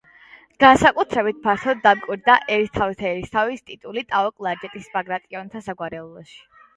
განსაკუთრებით ფართოდ დამკვიდრდა ერისთავთერისთავის ტიტული ტაო-კლარჯეთის ბაგრატიონთა საგვარეულოში.